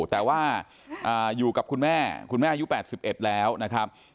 แต่ว่าอยู่กับคุณแม่คุณแม่อายุ๘๑แล้วนะครับ